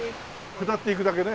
下って行くだけね。